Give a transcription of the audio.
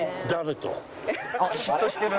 「嫉妬してる」